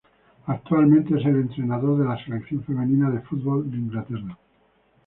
Actualmente es el entrenador de la Selección femenina de fútbol de Inglaterra.